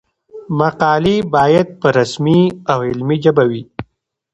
مقالې باید په رسمي او علمي ژبه وي.